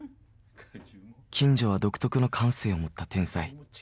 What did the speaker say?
金城は独特の感性を持った天才。